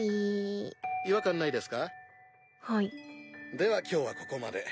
では今日はここまで。